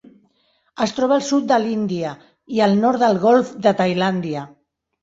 Es troba al sud de l'Índia i al nord del Golf de Tailàndia.